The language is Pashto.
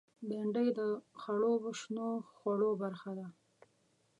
بېنډۍ د خړوبو شنو خوړو برخه ده